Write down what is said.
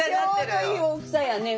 ちょうどいい大きさやねこれ。